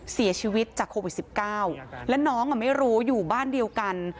เสียชีวิตจากโควิด๑๙แล้วน้องไม่รู้อยู่บ้านเดียวกัน